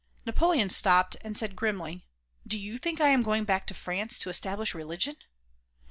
Napoleon stopped and said grimly "Do you think I am going back to France to establish religion